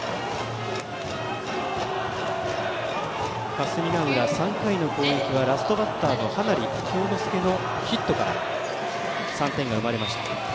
霞ヶ浦、３回の攻撃はラストバッターの羽成恭之介のヒットから３点が生まれました。